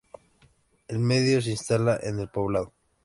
El miedo se instala en el poblado.